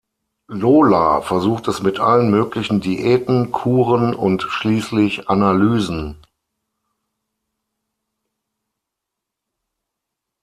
Lola versucht es mit allen möglichen Diäten, Kuren und schließlich Analysen.